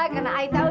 karena ayah tahu